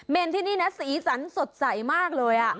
ที่นี่นะสีสันสดใสมากเลย